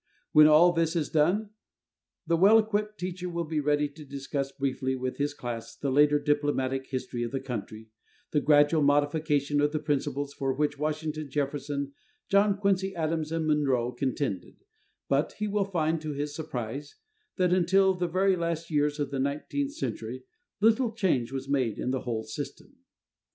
When all this is done, the well equipped teacher will be ready to discuss briefly with his class the later diplomatic history of the country, the gradual modification of the principles for which Washington, Jefferson, John Quincy Adams and Monroe contended, but he will find to his surprise that until the very last years of the nineteenth century little change was made in the whole system.